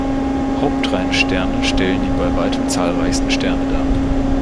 Hauptreihensterne stellen die bei weitem zahlreichsten Sterne dar.